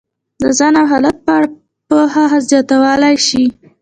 د ځان او حالت په اړه پوهه زیاتولی شي.